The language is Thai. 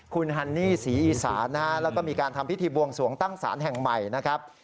คุณฮันนี่ศรีอีสานนะฮะแล้วก็มีการทำพิธีบวงสวงตั้งศาลแห่งใหม่นะครับ